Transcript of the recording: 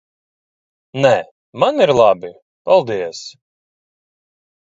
Nē, man ir labi. Paldies.